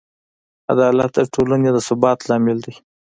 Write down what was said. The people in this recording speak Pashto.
عدالت د ټولنې د ثبات لامل دی.